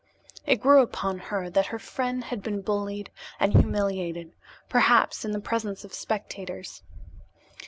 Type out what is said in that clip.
It grew upon her that her friend had been bullied and humiliated, perhaps in the presence of spectators.